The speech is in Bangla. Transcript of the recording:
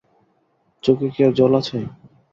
চোখে কি আর জল আছে?